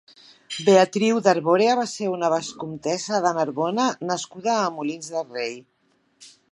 Beatriu d'Arborea va ser una vescomtessa de Narbona nascuda a Molins de Rei.